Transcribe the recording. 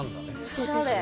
おしゃれ。